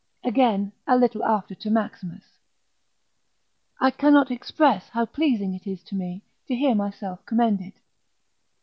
Again, a little after to Maximus, I cannot express how pleasing it is to me to hear myself commended.